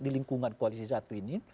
di lingkungan koalisi satu ini